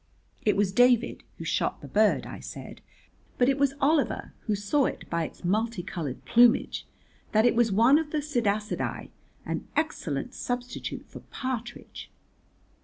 "It was David who shot the bird," I said, "but it was Oliver who saw by its multi coloured plumage that it was one of the Psittacidae, an excellent substitute for partridge."